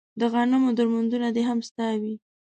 د غنمو درمندونه دې هم ستا وي